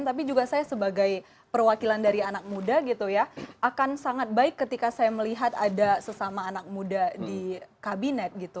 tapi juga saya sebagai perwakilan dari anak muda gitu ya akan sangat baik ketika saya melihat ada sesama anak muda di kabinet gitu